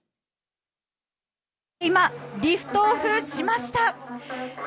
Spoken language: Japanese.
今、リフトオフしました。